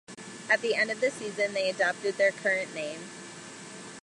At the end of the season they adopted their current name.